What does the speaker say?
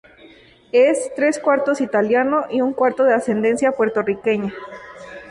Es tres cuartos Italiano y un cuarto de ascendencia Puertorriqueña.